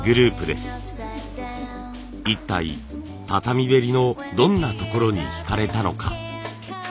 一体畳べりのどんなところにひかれたのか？